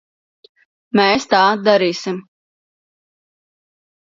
Mēs tā darīsim.